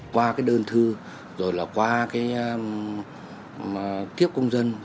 qua đơn thư rồi là qua kiếp công dân